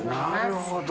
なるほど。